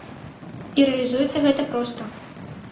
І рэалізуецца гэта проста.